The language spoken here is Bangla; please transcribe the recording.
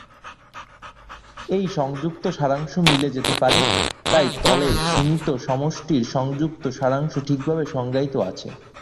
এই সংযুক্ত সারাংশ মিশে যেতে পারে, তাই তলের সীমিত সমষ্টির সংযুক্ত সারাংশ ঠিকভাবে সংজ্ঞায়িত আছে।